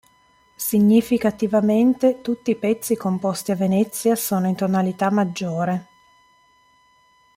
Significativamente, tutti i pezzi composti a Venezia sono in tonalità maggiore.